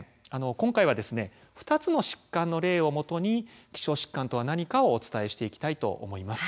今回は２つの疾患の例をもとに希少疾患とは何かをお伝えしていきたいと思います。